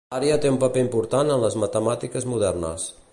L'àrea té un paper important en les matemàtiques modernes.